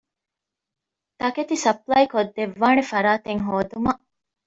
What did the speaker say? ތަކެތި ސަޕްލައި ކޮށްދެއްވާނޭ ފަރާތެއް ހޯދުމަށް